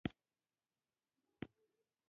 ریچارډ ارکرایټ د نساجۍ ماشین اختراع کړ.